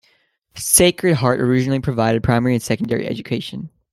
Sacred Heart originally provided primary and secondary education.